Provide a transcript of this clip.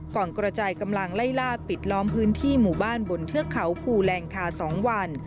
กระจายกำลังไล่ล่าปิดล้อมพื้นที่หมู่บ้านบนเทือกเขาภูแรงคา๒วัน